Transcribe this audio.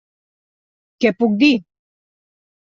Què puc dir?